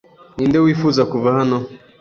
Ninde wifuza kuva hano?